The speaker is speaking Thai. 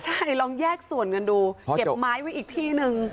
ใช่ลองแยกส่วนกันดูเก็บไม้ไว้อีกที่หนึ่ง